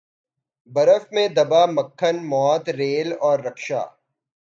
برف میں دبا مکھن موت ریل اور رکشا